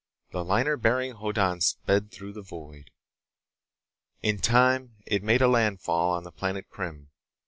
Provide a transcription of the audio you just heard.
The liner bearing Hoddan sped through the void. In time it made a landfall on the Planet Krim.